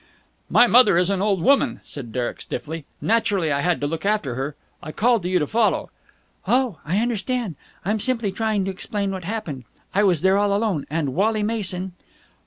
"My mother is an old woman," said Derek stiffly. "Naturally I had to look after her. I called to you to follow." "Oh, I understand. I'm simply trying to explain what happened. I was there all alone, and Wally Mason...."